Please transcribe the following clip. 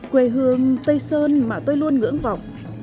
quề hương tây sơn mà tôi luôn ngưỡng vọng